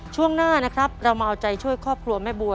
ช่วงหน้านะครับเรามาเอาใจช่วยครอบครัวแม่บัว